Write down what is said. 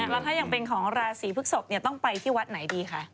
แล้วถ้ายังเป็นของราศีพฤกษกต้องไปที่วัดไหนดีคะ